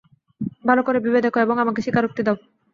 ভালোকরে ভেবে দেখ, এবং আমাকে স্বীকারোক্তি দাও।